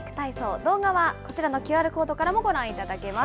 動画はこちらのＱＲコードからもご覧いただけます。